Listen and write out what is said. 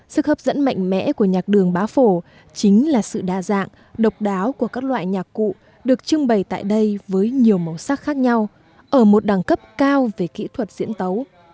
sức hấp dẫn mạnh mẽ của nhạc đường bá phổ chính là sự đa dạng độc đáo của các loại nhạc cụ được trưng bày tại đây với nhiều màu sắc khác nhau ở một đẳng cấp cao về kỹ thuật diễn tấu